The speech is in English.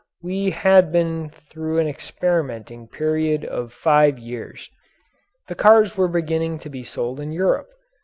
We had been through an experimenting period of five years. The cars were beginning to be sold in Europe.